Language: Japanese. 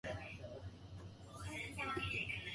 時計の針が進む。